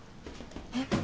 えっ。